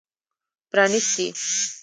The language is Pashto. پرانیستي